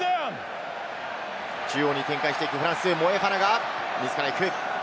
中央に展開していくフランス、モエファナが自ら行く。